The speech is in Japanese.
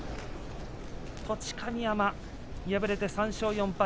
栃神山、敗れて３勝４敗。